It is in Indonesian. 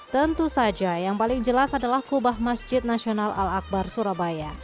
tentu saja yang paling jelas adalah kubah masjid nasional al akbar surabaya